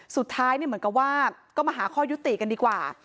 สุดท้ายเหมือนกับว่าก็มาหาข้อยุติกันดีกว่า